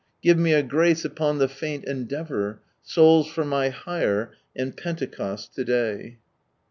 Give me a grace upon Ike faint endeat eur, Souls for my hire aad fenteiost to day.